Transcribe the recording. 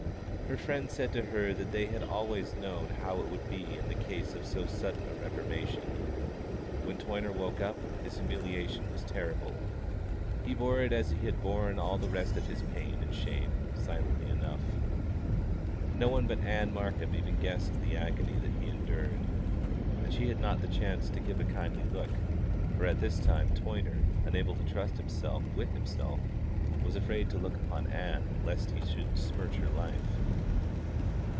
Her friends said to her that they had always known how it would be in the case of so sudden a reformation. When Toyner woke up his humiliation was terrible; he bore it as he had borne all the rest of his pain and shame, silently enough. No one but Ann Markham even guessed the agony that he endured, and she had not the chance to give a kindly look, for at this time Toyner, unable to trust himself with himself, was afraid to look upon Ann lest he should smirch her life.